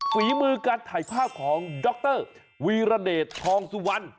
ฝีมือการถ่ายภาพของดรวีรเดชทองสุวรรณ